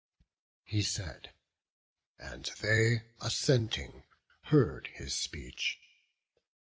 He said; and they, assenting, heard his speech.